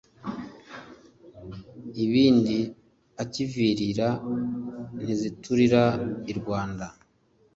ibindi akivirira. nziturira i rwanda